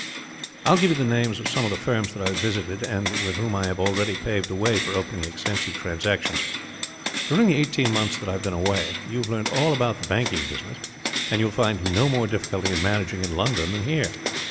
"I will give you the names of some of the firms that I have visited, and with whom I have already paved the way for opening extensive transactions. During the eighteen months that I have been away, you have learned all about the banking business; and will find no more difficulty in managing, in London, than here.